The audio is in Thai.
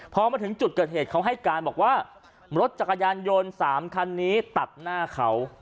พอมาถึงจุดเกิดเหตุเขาให้การบอกว่ารถจักรยานยนต์๓คันนี้ตัดหน้าเขา